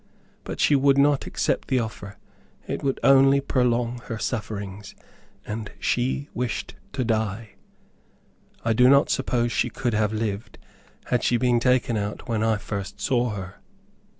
But she would not accept the offer. It would only prolong her sufferings, and she wished to die. I do not suppose she could have lived, had she been taken out when I first saw her.